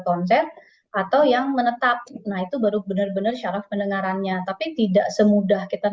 konser atau yang menetap nah itu baru benar benar syaraf pendengarannya tapi tidak semudah kita